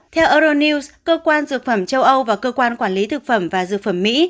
theo euronews cơ quan dược phẩm châu âu và cơ quan quản lý thực phẩm và dược phẩm mỹ